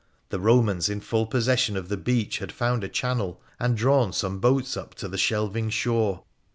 The Romans, in full possession of the beach, had found a channel, and drawn some boats up to the shelving shore.